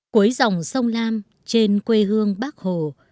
cuối dòng sông lam trên quê hương bắc hồ